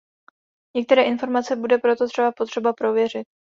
Některé informace bude proto třeba předem prověřit.